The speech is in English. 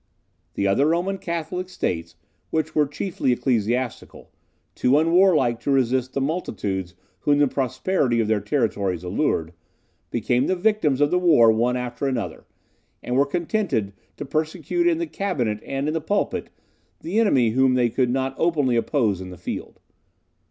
The other Roman Catholic states, which were chiefly Ecclesiastical, too unwarlike to resist the multitudes whom the prosperity of their territories allured, became the victims of the war one after another, and were contented to persecute in the cabinet and in the pulpit, the enemy whom they could not openly oppose in the field.